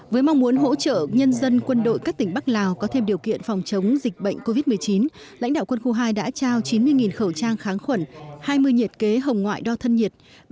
với mong muốn hỗ trợ nhân dân quân đội các tỉnh bắc lào có thêm điều kiện phòng chống dịch bệnh covid một mươi chín lãnh đạo quân khu hai đã trao chín mươi khẩu trang kháng khuẩn hai mươi nhiệt kế hồng ngoại đo thân nhiệt